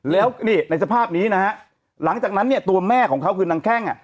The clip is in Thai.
แล้วนี่ในสภาพนี้นะฮะหลังจากนั้นเนี่ยตัวแม่ของเขาคือนางแข้งอ่ะ